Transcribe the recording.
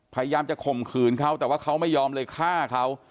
พยายามจะข่มขืนเขาแต่ว่าเขาไม่ยอมเลยฆ่าเขา